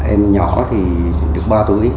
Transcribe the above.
em nhỏ thì được ba tuổi